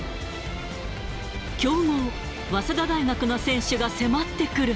強豪、早稲田大学の選手が迫ってくる。